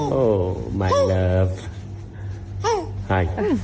สวัสดีค่ะ